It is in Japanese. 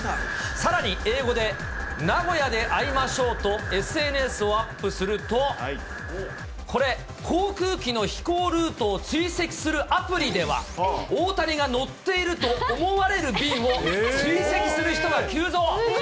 さらに、英語で名古屋で会いましょうとＳＮＳをアップすると、これ、航空機の飛行ルートを追跡する追跡するアプリでは、大谷が乗っていると思われる便を、追跡する人が急増。